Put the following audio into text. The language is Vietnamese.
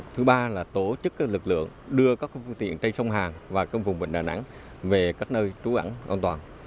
thứ ba là tổ chức lực lượng đưa các phương tiện trên sông hàn và vùng bệnh đà nẵng về các nơi trú ẩn an toàn